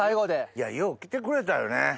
いやよう来てくれたよね。